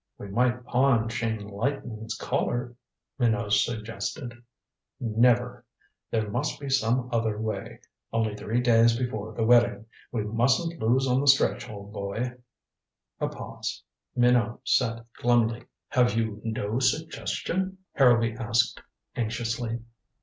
"We might pawn Chain Lightning's Collar," Minot suggested. "Never! There must be some way only three days before the wedding. We mustn't lose on the stretch, old boy." A pause. Minot sat glumly. "Have you no suggestion?" Harrowby asked anxiously.